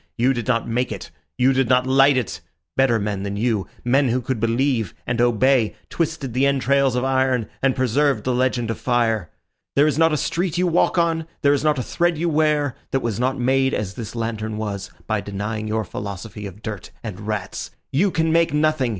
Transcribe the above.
You did not make it. You did not light it. Better men than you, men who could believe and obey, twisted the entrails of iron and preserved the legend of fire. There is not a street you walk on, there is not a thread you wear, that was not made as this lantern was, by denying your philosophy of dirt and rats. You can make nothing.